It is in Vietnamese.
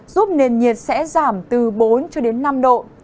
giúp nền nhiệt sẽ giảm từ bốn cho đến năm độ